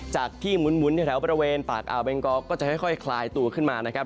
จากที่หมุนแถวบริเวณปากอ่าวเบงกอก็จะค่อยคลายตัวขึ้นมานะครับ